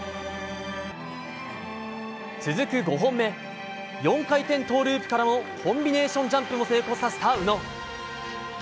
続く５本目４回転トウループからのコンビネーションジャンプも成功させた宇野。